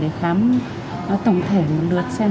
để khám tổng thể một lượt xem